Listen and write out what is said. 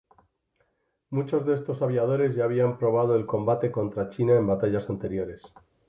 Muchos de estos aviadores ya habían probado el combate contra China en batallas anteriores.